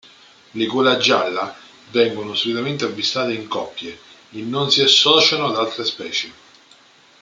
Le golagialla vengono solitamente avvistate in coppie e non si associano ad altre specie.